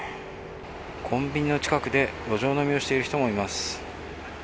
コンビニの近くで路上飲みをしている人もいます。